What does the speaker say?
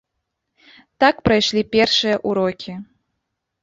Так прайшлі першыя ўрокі.